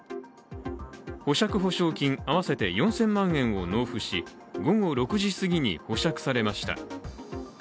保釈保証金合わせて４０００万円を納付し午後６時すぎに保釈されました。